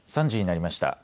３時になりました。